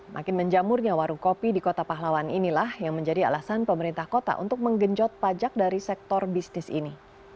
makin menjamurnya warung kopi di kota pahlawan inilah yang menjadi alasan pemerintah kota untuk menggenjot pajak dari sektor bisnis ini